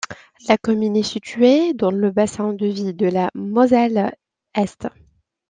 La commune est située dans le bassin de vie de la Moselle-est.